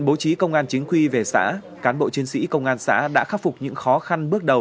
trong thời gian ngắn công an chính quy về xã cán bộ chiến sĩ công an xã đã khắc phục những khó khăn bước đầu